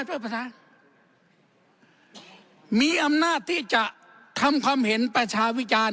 เพื่อมีอำนาจที่จะทำความเห็นประชาวิจารณ์